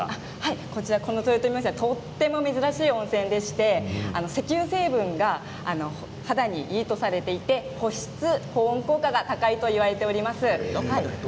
ここはとても珍しい温泉で石油成分が肌にいいとされていて保湿保温効果が高いと言われています。